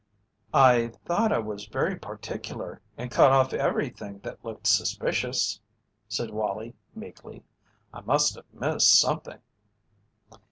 "I thought I was very particular and cut off everything that looked suspicious," said Wallie, meekly, "I must have missed something."